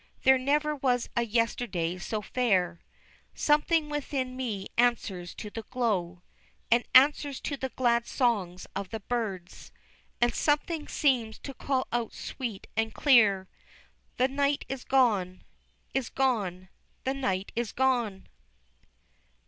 There never was a yesterday so fair, Something within me answers to the glow And answers to the glad songs of the birds And something seems to call out sweet and clear The night is gone is gone! the night is gone!!